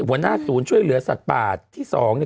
เวลาสูญช่วยเหลือสัตว์ป่าที่สอง